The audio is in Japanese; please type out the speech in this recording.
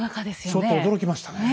ちょっと驚きましたね。